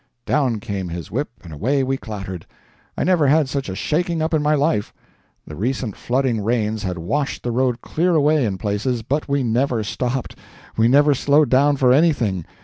Down came his whip, and away we clattered. I never had such a shaking up in my life. The recent flooding rains had washed the road clear away in places, but we never stopped, we never slowed down for anything.